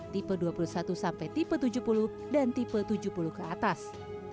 tipe dua puluh satu sampai tipe tujuh puluh dan tipe tujuh puluh ke atas